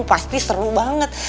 pasti seru banget